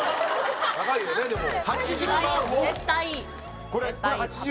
高いよねでも。